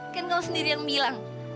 kan kau sendiri yang bilang